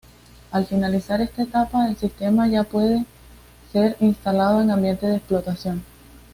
Al finalizar esta etapa, el sistema ya puede ser instalado en ambiente de explotación.